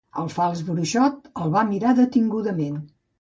El fals bruixot el va mirar detingudament.